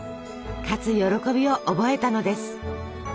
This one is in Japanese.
勝つ喜びを覚えたのです。